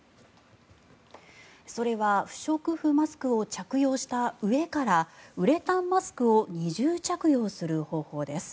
それは、不織布マスクを着用した上からウレタンマスクを二重着用する方法です。